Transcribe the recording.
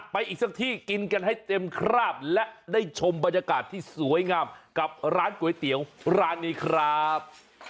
ไปอีกสักที่กินกันให้เต็มคราบและได้ชมบรรยากาศที่สวยงามกับร้านก๋วยเตี๋ยวร้านนี้ครับ